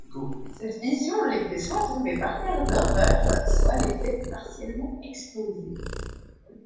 Cette vision les fait soit tomber par terre d'horreur, soit les fait partiellement exploser.